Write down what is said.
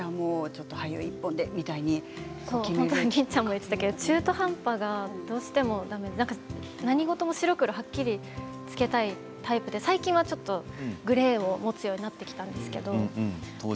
りっちゃんも言ってたけど中途半端がどうしてもだめで何事も白黒はっきりつけたいタイプで最近はグレーを持つようになってきたんですけれど。